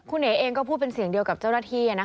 คุณเอ๋เองก็พูดเป็นเสียงเดียวกับเจ้าหน้าที่